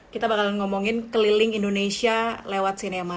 kita bakalan ngomongin keliling indonesia lewat sinema